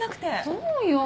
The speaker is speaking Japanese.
そうよ